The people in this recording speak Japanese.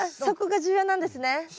そこが重要なんですね。